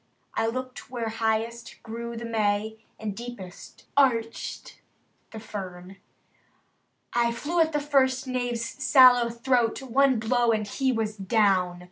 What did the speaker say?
I looked where highest grew the May, And deepest arched the fern. I flew at the first knave's sallow throat. One blow, and he was down.